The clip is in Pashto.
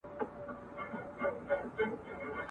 خپله مېنه خپل مي کلی خپل مي ښار په سترګو وینم ..